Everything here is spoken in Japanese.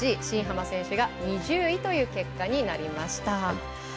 新濱選手が２０位という結果になりました。